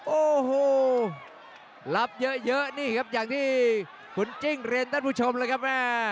โอ้โหรับเยอะนี่ครับอย่างที่คุณจิ้งเรียนท่านผู้ชมเลยครับว่า